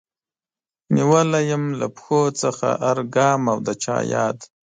نيولی يم له پښو څخه هر ګام او د چا ياد